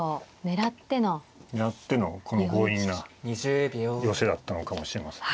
狙ってのこの強引な寄せだったのかもしれません。